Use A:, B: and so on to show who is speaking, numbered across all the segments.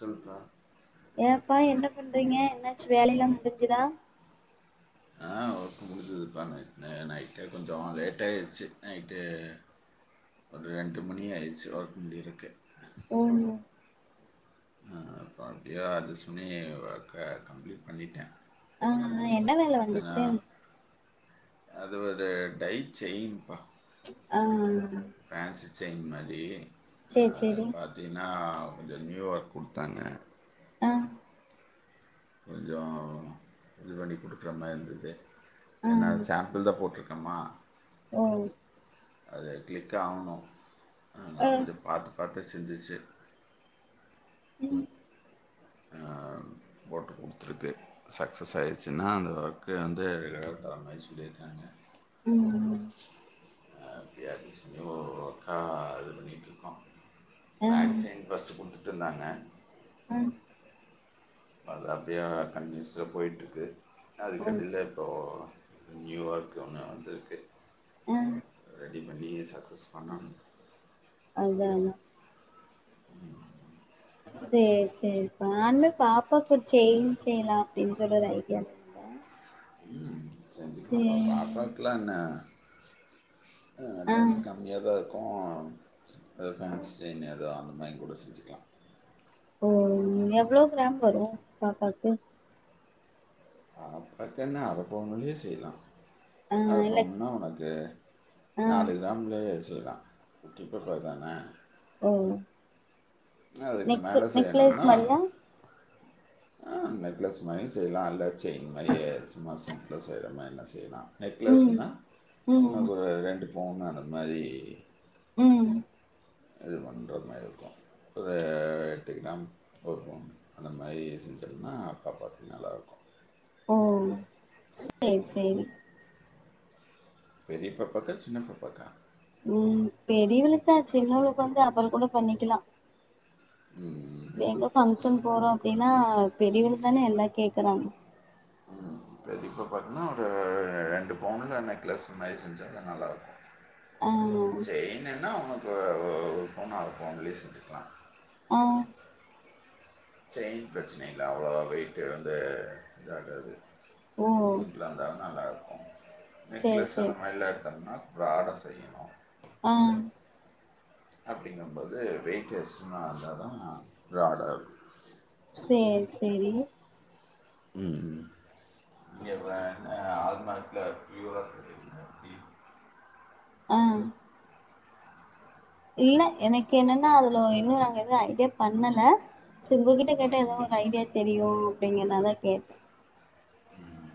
A: சொல்லுப்பா
B: ஏன்பா என்ன பண்றீங்க என்னாச்சு வேலையெல்லா முடிஞ்சுதா
A: ஆ ஒர்க்கு முடிஞ்சுதுபா நைட்ல நைட்டே கொஞ்சோ லேட்டாகிடுச்சு நைட்டு ஒரு ரெண்டு மணி ஆயிடுச்சு ஒர்க் முடியருக்கு
B: ம்
A: ஆன் அப்படியா அட்ஜஸ்ட் பண்ணி ஒர்க்க கம்ப்ளீட் பண்ணிட்டேன்
B: ஆ என்ன வேலை
A: ஏன்னா
B: வந்துச்சு
A: அது ஒரு டை செயின்பா
B: ஆ ஆ
A: ஃபேன்ஸி செயின் மாரி அ
B: சேரி சேரி
A: பாத்தீனா கொஞ்சோ நியூஒர்க் குடுத்தாங்க
B: ஆ
A: கொஞ்சோ இது பண்ணி குடுக்குறமாரிருந்தது என்ன சாம்பிள் தா போட்ருக் கமா
B: சேரி
A: அது கிளிக் ஆவணு ஆனா
B: ஆ
A: கொஞ்சோ பாத்து பாத்து த சிந்திச்சு
B: ம்
A: ஆ போட்டு குடுத்துருக்கு சக்ஸஸ் ஆயிச்சுனா அந்த ஒர்க்கு வந்து தர மாரி சொல்லிருக்காங்க
B: ம் ம்
A: தட் இஸ் நியூ ஒர்க் ஆ இது பண்ணிட்டு இருக்கோ
B: ஆ
A: பேக் செயின் ஃபஸ்ட்டு குடுத்துட்டுடேதானே
B: ஆ
A: அது அப்டியே கண்டினியூசா போய்ட்டு இருக்கு அது
B: ஓ
A: கட்டில இப்போ நியூ ஓர்க்கு ஒண்ணு வந்துருக்கு
B: ஆ
A: ரெடி பண்ணி சக்ஸஸ் பண்ணணு
B: அதா அதா சேரி சேரிப்பா நானுமே பாப்பாக்கு ஒரு செயின் செய்யலா அப்டின்னு சொல்லற ஐடியால இருந்தே
A: ம் செஞ்சுக்காலா ப்ப
B: சேரி
A: பாப்பாக்கலா என்ன அ
B: ஆ
A: லென்த் கம்மியா தா இருக்கு ஓ அது ஃபேன்ஸி செயின் எதோ அந்த மாரி கூட செஞ்சுக்கலா
B: ஓ ம்
A: பாப்பாக்கு என்ன அரப்பவுனலயே செய்லா
B: ஆ இல்ல
A: அரப்பவுனா உனக்கு
B: ஆ
A: நாலு கிராம்ல செய் லா குட்டி பாப்பா தான
B: நெக் நெகலஸ் மாரியா
A: ஆ நெக்லஸ் மாரியு செய்யலா அல்ல செயின் மாரியே சும்மா சிம்பிளாக செய்ற மாரினா செய்யலா
B: ம்
A: நெக்லஸ்னா
B: ம்
A: உனக்கு ஒரு ரெண்டு பொவுனு அந்த மாரி
B: ம்
A: இது பண்ற மாரி இருக்கு ஒரு எட்டு கிராம் ஒரு பவுன் அந்த மாரி செஞ்சோம்னா பாப்பாக்கு நல்லாருக்கு
B: ம் சேரி சேரி
A: பெரிய பாப்பாக்கா சின்ன பாப்பாக்கா
B: ம் பெரியவளக்குதான் சின்னவளுக்கு வந்து அப்பறம் கூட பண்ணிக்கலாம்
A: ம்
B: எங்க பங்க்ஷன் போறோம் அப்படின்னா பெரியவளுக்கு தானே எல்லா கேக்கறாங்க
A: ம் பெரிய பாப்பாக்குனா ஒரு ரெண்டு பவுனல நெக்லஸ் மாரி செஞ்சாத நல்லாருக்கும்
B: ஆ
A: சயின் என்ன ஒரு பவுன் அர பவுன்லயே செஞ்சுக்கலாம்
B: ஆ
A: செயின் பிரச்சனைங்களா அவ்ளோ வெய்ட்டு வந்து இதாகாது
B: ஓ
A: சிம்புளா இருந்த நல்லா
B: சேரி
A: நெக்லஸ் அந்த
B: சேரி
A: மாரிலாம் எடுத்தோம்னா ப்ராட செய்யனும்
B: ஆ ஆ
A: அப்படிங்கபோது வெயிட் எஸ்டர்ன்ன இருந்தா தான் ப்ராட இருக்கும்
B: சேரி சேரி
A: ம் இங்க தான [unintelligible] [unintelligible] ஃபர்ஸ்ட்யுறா [unintelligible]
B: ஆஹ் இல்ல எனக்கு என்னன்னா அதுல ஒரு இன்னும் நாங்க எதுவும் ஐடியா பண்ணல சோ உங்ககிட்ட கேட்ட ஏதோ ஒரு ஐடியா தெரியும் அப்படிங்கறனால கேட்டே
A: ம்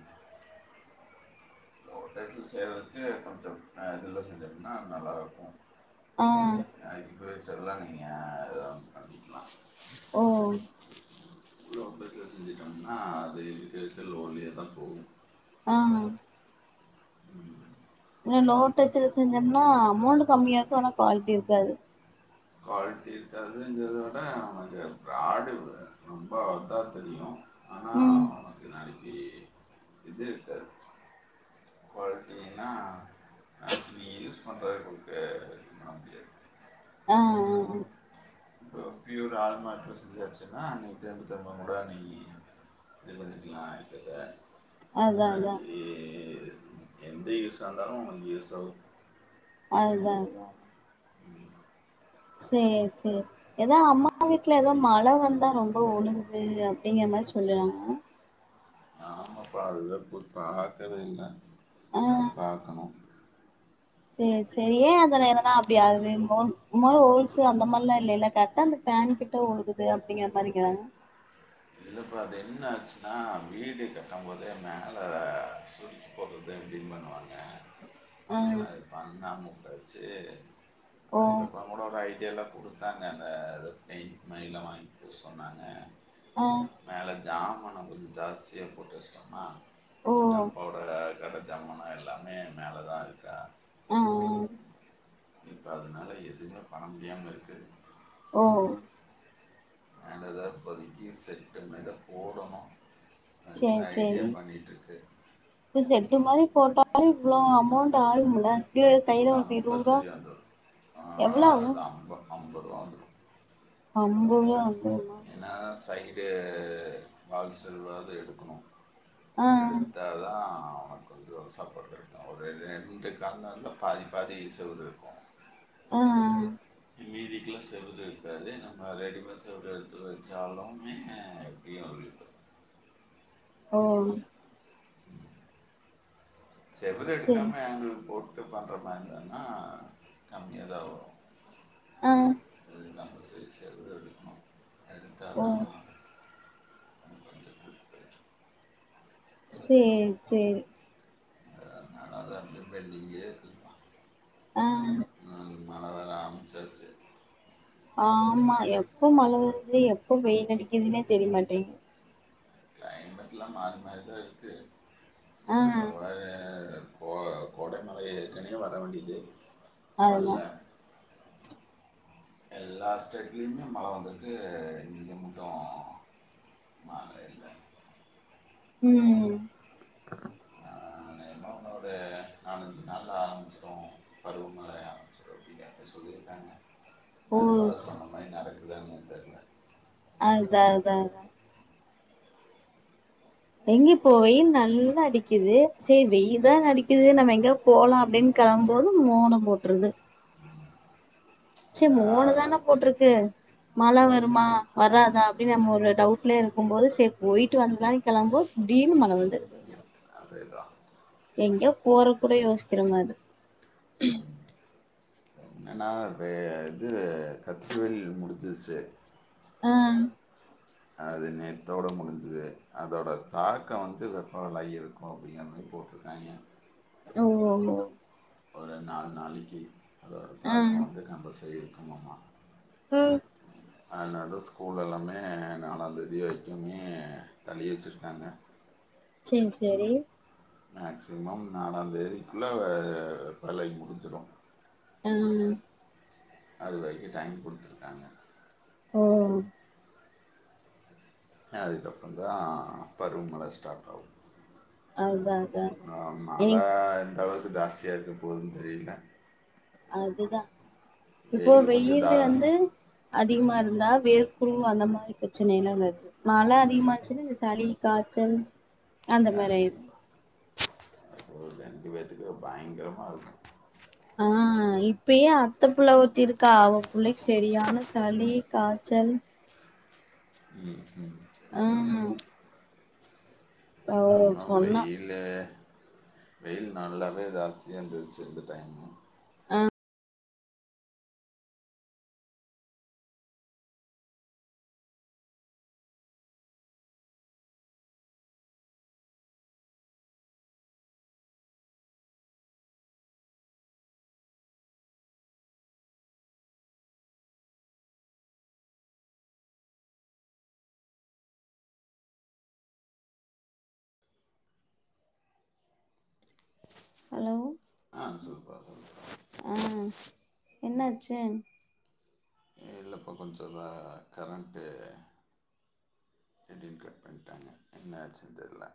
A: லோ டச்ல செய்றதுக்கு கொஞ்சம் இதுல செஞ்சம்னா நல்லாயிருக்கும்
B: ஆ
A: அ இப்பவே சரிதா நீங்க ஏதோ ஒன்னு பண்ணிக்கலாம்
B: ஓ
A: லோ டச்சுல செஞ்சுட்டோம்னா அது இருக்கிருக்க லோலயே தான் போகும்
B: ஆமாங்
A: ம்
B: லோ டச்சுல செஞ்சம்னா அமௌண்ட் கம்மியாருக்கும் ஆனா குவாலிட்டி இருக்காது
A: குவாலிட்டி இருக்காதுங்கறத விட உனக்கு ப்ராடு ரொம்ப இதா தெரியும்
B: ம்
A: இப்டி இது இருக்காது குவாலிட்டினா நீ யூஸ் பண்ற கொக்க எதும் பண்ண முடியாது
B: ஆஹ் ஆஹ்
A: இப்ப பியூர் ஆள்மாக்ல செஞ்சாச்சுன்னா நீன் திரும்ப திரும்ப கூட நீ இது பண்ணிக்கலாம் இப்ப இத
B: அதான் அதான்
A: எந்த யூஸ்ஸா இருந்தாலும் உனக்குநீ யூஸ் ஆகும்
B: அதுதான் சேரி சேரி ஏதோ அம்மா வீட்ல ஏதோ மழ வந்தா ரொம்ப ஒழுகுது அப்டீங்கற மாரி சொல்லுறாங்க
A: ஆமாப்ப அத போய் பாக்கவே இல்ல
B: ஆ
A: போய் பாக்கணோ
B: சேரி சேரி ஏ அதல எதனா அப்டி ஆகுது மோல் மேல ஹோல்ஸு அந்த மாரிலா இல்லல கரெக்டா அந்த ஃபேன் கிட்ட ஒழுகுது அப்டீங்குற மாரிங்கிறாங்க
A: இல்லப்ப அது என்ன ஆச்சுன்னா வீடு கட்ட போதே மேல அ சுருக்கி போட்றது அப்டின் பண்ணுவாங்க
B: ஆ
A: அது பண்ணாம உ வெச்சு
B: ஓ
A: அதுக்கப்புறோ கூட ஒரு ஐடியாயில்லாம குடுத்தாங்க அந்த எதோ பெயிண்ட் மாறிலா வாங்கி பூஸ் சொன்னாங்க
B: ஆ
A: ஜாமானோ கொஞ்சோ ஜாஸ்தியா போட்டு வெச்ட்டோமா
B: ஓ
A: இன்னோ அப்பாவோட கடன் ஜமானோ எல்லாமே மேலே தா இருக்கா
B: ஆ ஆ
A: இப்ப அதனால எதுமே பண்ண முடியாம இருக்கு
B: ஓ
A: மேலதா இப்போதிக்கு ஷெட்டு மேட போடணோ அதுக்குதா
B: சேரி
A: ஐடியா
B: சேரி
A: பண்ணிட்ருக்கு
B: இது செட்டு மாரி போட்டாலு இவ்ளோ அமௌண்ட் ஆகும்ல எப்டியு கையில ஒரு இருவது
A: ரொம்ப
B: ரூவா
A: சேரியானது ஆ
B: எவ்ளோ ஆகு
A: அது அப்போ அம்பத் ரூவா வந்துரோ
B: அம்பது ரூவா அம்பது ரூவா
A: ஏன்னா சைட் டு பாதி செவ்றாது எடுக்குணு
B: ஆ
A: எடுத்தாதா அவனுக் கொஞ்சோ ஒரு சப்போர்ட் கெடைக்கு ஒரு ரெண்டு கார்னர்ல பாதி பாதி செவ்ரு இருக்கோ
B: அ அ
A: மீதிக்குலா செவுரு இருக்காது நம்ம ரெடிமேட் செவுரு எத எடுத்து வெச்சாலுமே எப்படியு ஒழுவுது
B: ஓ
A: செவரு
B: செரி
A: எடுக்காம ஆங்கிள் போட் டு பண்ற மாரி இருந்துதுன்னா கம்மியா தா வரோ
B: ஆ
A: நம்ப சைடு செவுரு எடுக்கணோ
B: ஓ
A: எடுத்தாதா இன்னோ கொஞ்சோ ரிப்பேர்
B: சேரி சேரி
A: அதனால அதா அ பெண்டிங்கே இருக்
B: ஆ
A: மழ வேற ஆரம்ச்சாச்சு
B: ஆமா எப்ப மழ வருது எப்ப வெயில் அடிக்குதுனே தெரிமாட்டேங்குது
A: க்ளைமெட்லா மாறி மாறி தா இருக்கு
B: ஆ ஆ
A: கோ கோடை மழை ஏற்கனவே வர வேண்டிது
B: ஆதுனா
A: எல்லா ஸ்டேட்லயுமே மழை வந்துருக்கு இங்க முட்டும் மழை இல்ல
B: ம்
A: அ அனேகமா உன்னோ ஒரு நாலஞ்சு நாள்ல்ல ஆரம்பிச்சி ரு பருவமழை ஆரம்பிச்சி ரு [inaudible] சொல்லியிருக்காங்க
B: ஓ
A: அது பாத் தா சொன்ன மாரி நடக் த்தாங்க தெர்ல
B: அதுதா அதா அதா எங்க இப்போ வெயில் நல்லா அடிக்கிது சேரி வெயில் தான் அடிக்கிது நம்ம எங்க போலாம் அப்டின்னு கெளம்பும் போதும் மோனம் போட்டுறுது சேரி
A: ஏன்னா
B: மோனுதானே போட்ருக்கு மழ வருமா வராதா அப்புடின்னு நம்ம ஒரு டவுட்லயே இருக்கும் போது சே போயிட்டு வந்தாயின் கெளம்போது திடீர்னு மழை வருது
A: அதேதா
B: எங்கயோ போற கூட யோசிக்கிற மாது
A: ஏன்னனா இப்ப இது கத்திரி வெயில் முடிஞ்சுச்சு
B: ஆ
A: அது நேத்தோடு முடிஞ்சுது அதோட தாக்கம் வந்து வெப்பவலாகி இருக்கும் அப்புடிங்குற மாரி போட்ருக்காயிங்க
B: அ ஓ ஓ
A: ஒரு நாலு நாளைக்கி அதோட
B: ஆ
A: தாக்கம் வந்து நம்ப [unintelligible]
B: ம்
A: அதுனால் தா ஸ் [unintelligible] எல்லாமே நாலாந் தேதி வைக்குமே தள்ளி வெச்சுருக்காங்க
B: சரி சரி
A: மேக்சிமம் நாலாந்தேதிக்குள்ள வே வேலை முடிஞ்சிடும்
B: ம்
A: அது வெரிக்கும் டைம் குடுத்துருக்காங்க
B: ஓ
A: அதுக்கப்புறம் தா பருவமழை ஸ்டார்ட் ஆகும்
B: அதா அதா
A: நா மழை
B: ஏங்
A: இந்த அளவுக் க்கு தாஸ்தியா இருக்க போதுன் தெரில
B: அதுதா இப்போ
A: கொஞ்சம்
B: வெயில்
A: தா
B: வந்து அதிகமா இருந்தா வேர்குரு அந்த மாரி பிரச்சனை எல்லா வருது மழை அதிகமாச்சுன்னா சளி காய்ச்சல் அந்த மாரி ஆயிட
A: ஒரு ரெண்டு பேத்துக்கு பயங்கரமா இருக்கும்
B: ஆ இப்பயே அத்த புள்ள ஒருத்தி இருக்கா அவ புள்ளைக்கு சரியான சளி காய்ச்சல்
A: உம் உம் [unintelligible]
B: ஆ அவ
A: எங்க போனாலும்
B: சொன்னா
A: வெயிலு வெயில் நல்லாவே ஜாஸ்தியா இருந்தந்துருச்சு இந்த டைமு
B: ஹலோ
A: ஆ சொல்லப்பால்லப்ப
B: ஆ என்னாச்சு
A: இல்லப்பா கொஞ்சம் இந்த கரண்ட்டு திடீருனு கட் பண்ணிட்டாங்க. என்னாச்சு தெரியல.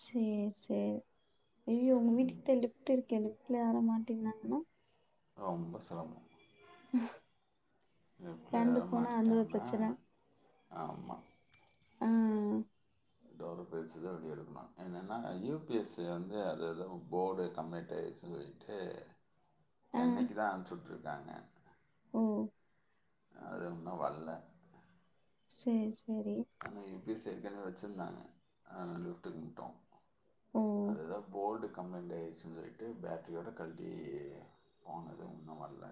B: சேரி சரி ஐ்யோ உங்க வீட்டு கிட்ட லிஃப்ட் இருக்கேன் லிஃப்ட்ல யார மாட்டீங்கன்னாங்கன்னா.
A: ரொம்ப சிரமம்
B: [unintelligible]
A: எப்படி
B: கரண்டு போனா அந்த ஒரு பிரச்சன
A: ஆமா
B: ஆ
A: டோலர் பிரைஸ் தான் வெடி எடுக்கக்கலாம் என்னன்னா யூபிஎஸ்சி வந்து அது ஏதும் போடு கம்பெ இடு சொல்லிட்டு
B: ஆ
A: சென்னைக்கு தான் அனுப்ச்சிட்டுருக்கு ங்க
B: ஓ
A: அதுன்னும் வல்ல
B: சரி
A: ஆனா யூ பி எஸ் வச்சுருந்தாங்க லிஃப்டுக்கு மட்டும்
B: ஓ
A: அது எதோ போல்டு கம்ப்ளைண்டட் ஆகிடுச்சுு சொல்லிட்டு பேட்ட்ரியோடு கல்ட்டி போனது இன்னும் வல்ல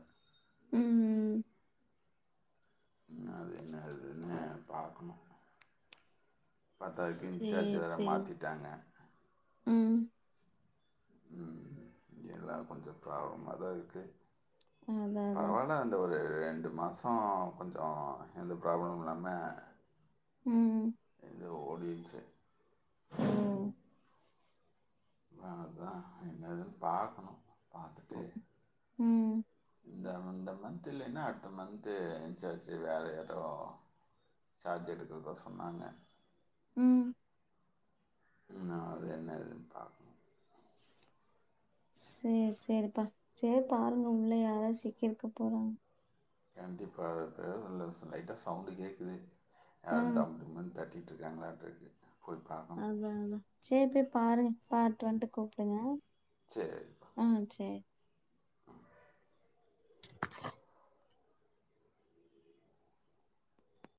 B: ம் ம்
A: என்ன அது என்ன அதுன்னு பாக்கனும் பத்தாதுக்கு இன்சார்ஜ்
B: சேரி
A: வேற
B: சேரி
A: மாத்திட்டாங்க.
B: ம்
A: ம் எல்லாம் கொஞ்சம் ப்ராப்ளமா தான் இருக்கு
B: அதான் அதான்
A: பரவாயில்ல அந்த ஒரு ரெண்டு மாசம் கொஞ்சம் எந்த ப்ராப்ளம் இல்லாம
B: ம்
A: ஓடிருச்சு
B: ம்
A: வேணதான் என்னதுன்னு பார்க்கணும். பார்த்துட்டு
B: ம்
A: இந்த வந்த மந்த் இல்ல என்ன அடுத் த மந்து இன்சார்ச்சு வேறே சார்ஜ் எடுக்கிறதா சொன்னாங்க.
B: ம்
A: நா அது என்ன இதுன்னு பாக்கனு
B: சேர் சேரிப்பா சேர் பாருங்க உள்ள யாரா சிக்கிருக்க போறாங்க.
A: எனக்கு இப்ப [unintelligible] லைட்டா சவுண்டு கேக்குது.
B: ஆ
A: யாரோ டம் டும்னு தட் தட்டிட்ருக்காங்களாட்ருக்கு
B: அதா அதா சேர் போய் பாருங்க பாட்டு வன்ட்டு கூப்புடுங்க
A: சரிப்பா.
B: ஆ சேர்